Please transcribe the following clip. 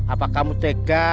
apa kamu tega